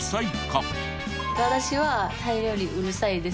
私はタイ料理うるさいです。